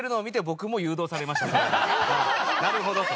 なるほどと。